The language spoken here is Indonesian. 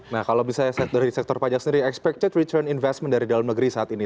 nah kalau bisa saya lihat dari sektor pajak sendiri expected return investment dari dalam negeri saat ini